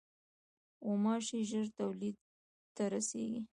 غوماشې ژر تولید ته رسېږي.